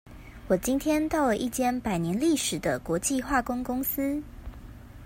我今天到了一間百年歷史的國際化工公司